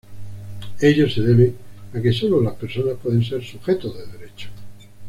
Ello se debe a que sólo las personas pueden ser sujetos de derechos.